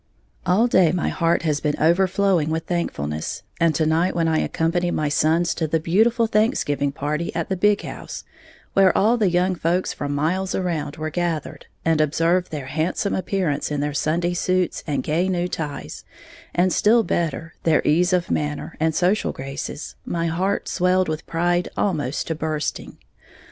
_ All day my heart has been overflowing with thankfulness; and to night when I accompanied my sons to the beautiful Thanksgiving party at the big house, where all the young folks from miles around were gathered, and observed their handsome appearance in their Sunday suits and gay new ties, and, still better, their ease of manner, and social graces, my heart swelled with pride almost to bursting.